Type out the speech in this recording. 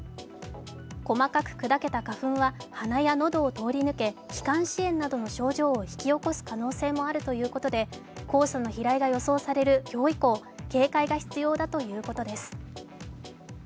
細かく砕けた花粉は鼻や喉を通り抜け、気管支炎などの症状を引き起こす可能性もあるということで、黄砂の飛来が予想される今日以降、警戒が必要だということです。